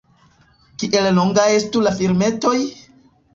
Kiel longaj estu la filmetoj?